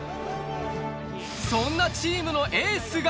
そんなチームのエースが。